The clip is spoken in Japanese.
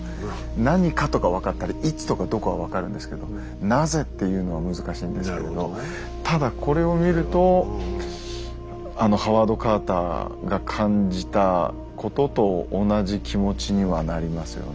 「何か」とか分かったり「いつ」とか「どこ」は分かるんですけど「なぜ」っていうのは難しいんですけれどただこれを見るとあのハワード・カーターが感じたことと同じ気持ちにはなりますよね